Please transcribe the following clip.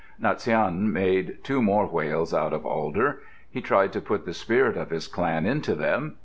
Natsiane made two more whales out of alder. He tried to put the spirit of his clan into them.